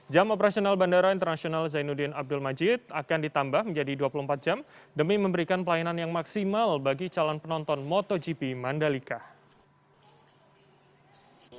jam operasional bandara internasional zainuddin abdul majid akan ditambah menjadi dua puluh empat jam demi memberikan pelayanan yang maksimal bagi calon penonton motogp mandalika